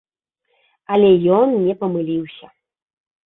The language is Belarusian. Але ён не памыліўся.